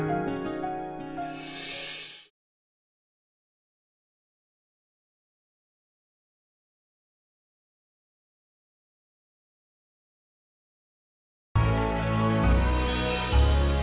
sampai jumpa lagi